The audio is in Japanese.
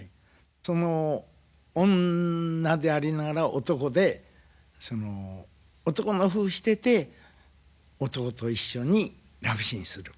その女でありながら男でその男のふうしてて男と一緒にラブシーンする。